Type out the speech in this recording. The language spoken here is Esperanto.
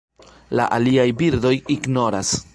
La aliaj birdoj ignoras.